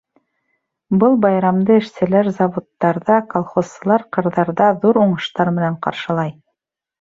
Был байрамды эшселәр заводтарҙа, колхозсылар ҡырҙарҙа ҙур уңыштар менән ҡаршылай.